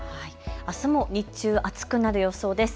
あすも日中、暑くなる予想です。